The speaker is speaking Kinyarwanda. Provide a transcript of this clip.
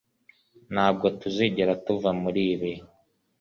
Ntabwo tuzigera tuva muri ibi